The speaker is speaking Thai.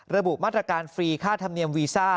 ระบุมาตรการฟรีค่าธรรมเนียมวีซ่า